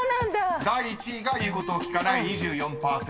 第１位が言うことを聞かない２４％。